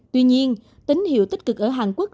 tuy nhiên tính hiệu tích cực ở hàn quốc